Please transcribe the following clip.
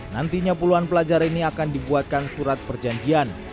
nantinya puluhan pelajar ini akan dibuatkan surat perjanjian